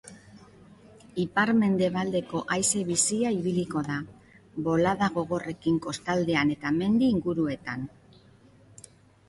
Ipar-mendebaldeko haize bizia ibiliko da, bolada gogorrekin kostaldean eta mendi inguruetan.